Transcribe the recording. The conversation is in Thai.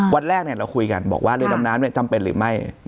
วันแรกเราคุยกันบอกว่าเรือดำน้ำจำเป็นหรือไม่